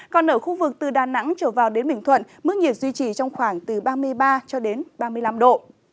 còn ở khu vực từ đà nẵng trở vào đến bình thuận mức nhiệt duy trì trong khoảng từ ba mươi ba cho đến ba mươi năm độ